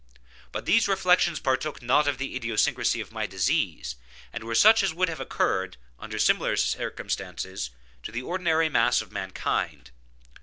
But these reflections partook not of the idiosyncrasy of my disease, and were such as would have occurred, under similar circumstances, to the ordinary mass of mankind.